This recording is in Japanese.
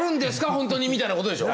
本当に」みたいなことでしょ。